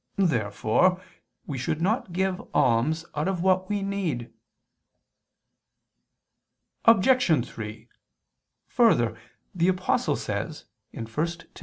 Therefore we should not give alms out of what we need. Obj. 3: Further, the Apostle says (1 Tim.